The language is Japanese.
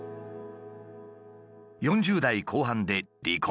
４０代後半で離婚。